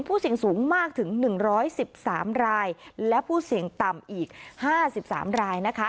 เสี่ยงสูงมากถึง๑๑๓รายและผู้เสี่ยงต่ำอีก๕๓รายนะคะ